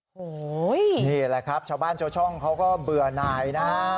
โอ้โหนี่แหละครับชาวบ้านชาวช่องเขาก็เบื่อหน่ายนะฮะ